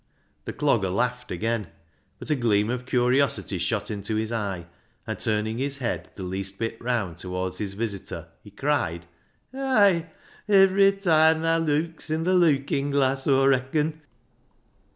The Clogger laughed again ; but a gleam of curiosity shot into his eye, and turning his head the least bit round towards his visitor, he cried —" Ay, ivery toime thaa leuks i' th' leuking glass, Aw reacon."